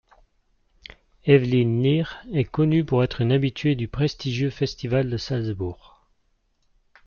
Evelyn Lear est connue pour être une habituée du prestigieux Festival de Salzbourg.